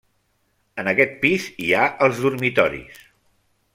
En aquest pis hi ha els dormitoris.